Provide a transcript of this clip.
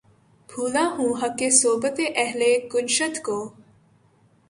بھولا ہوں حقِ صحبتِ اہلِ کنشت کو